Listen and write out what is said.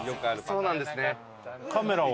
そうなんですね。